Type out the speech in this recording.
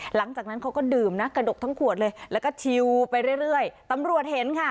หลังจากนั้นเขาก็ดื่มนะกระดกทั้งขวดเลยแล้วก็ชิวไปเรื่อยเรื่อยตำรวจเห็นค่ะ